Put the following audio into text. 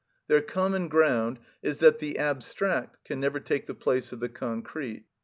Their common ground is that the abstract can never take the place of the concrete.